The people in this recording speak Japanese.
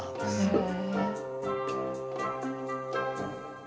へえ。